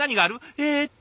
えっと。